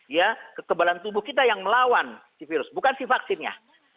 ya kekebalan tubuh kita yang melawan si virus bukan si vaksinnya